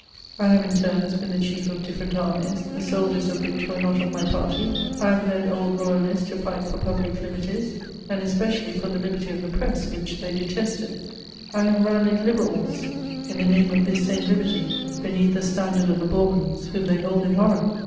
I have in turns been the chief of different armies, the soldiers of which were not of my party : I have led old royalists to fight for public liberties, and especially for the liberty of the press, which they detested ; I have rallied liberals, in the name CHATEAUBRIAND. 401 of this same liberty, beneath the standard of the Bourbons, whom they hold in horror.